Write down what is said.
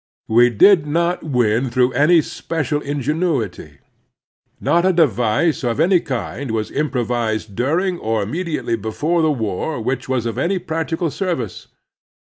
We did not win through any special ingenuity. Not a device of any kind was improvised during or immediately before the war wHch was of any practical service.